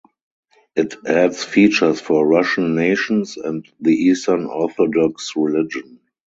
It adds features for Russian nations and the Eastern Orthodox religion.